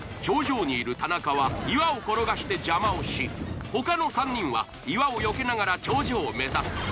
頂上にいる田中は岩を転がして邪魔をし他の３人は岩を避けながら頂上を目指す。